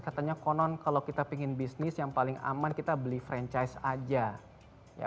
katanya konon kalau kita ingin bisnis yang paling aman kita beli franchise aja ya